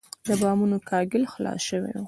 د بامونو کاهګل خلاص شوی و.